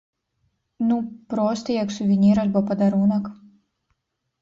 Ну проста як сувенір альбо падарунак.